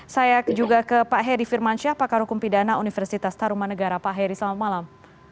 saya juga ke pak heri firmansyah pakar hukum pidana universitas taruman negara pak heri selamat malam